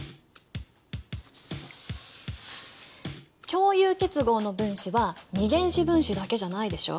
共有結合の分子は二原子分子だけじゃないでしょ？